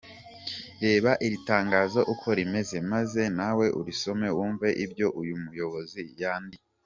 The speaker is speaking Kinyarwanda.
Reba iri tangazo uko rimeze, maze nawe urisome wumve ibyo uyu muyobozi yandite:.